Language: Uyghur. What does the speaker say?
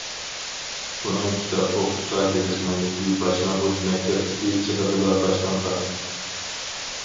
ئۇنىڭ كىتاب ئوقۇشقا ھېرىسمەنلىكى باشلانغۇچ مەكتەپتىكى چېغىدىلا باشلانغان.